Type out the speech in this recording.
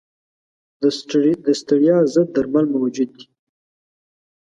د ستړیا ضد درمل موجود دي.